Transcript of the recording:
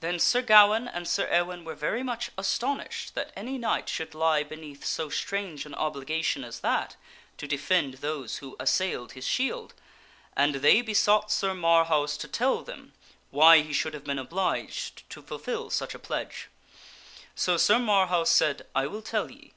Then Sir Gawaine and Sir Ewaine were very much astonished that any knight should lie beneath so strange an obligation as that to defend those who assailed his shield and they besought Sir Marhaus to tell them why he should have been obliged to fulfil such a pledge. So Sir Marhaus Sir Marhaus said, " I will tell ye.